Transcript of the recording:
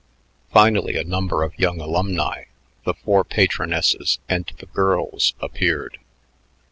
Finally a number of young alumni, the four patronesses, and the girls appeared.